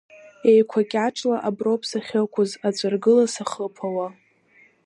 Еиқәа кьаҿла аброуп сахьықәыз, аҵәыргыла сахыԥауа.